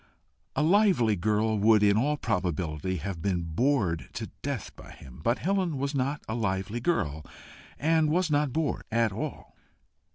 A lively girl would in all probability have been bored to death by him, but Helen was not a lively girl, and was not bored at all.